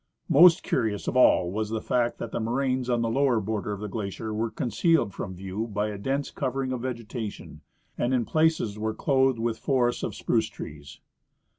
Most curious of all Avas the fact that the moraines on the lower border of the glacier Avere concealed from xieyv by a dense coA'ering of vegeta tion, and in places Avere clothed Avith forests of spruce trees.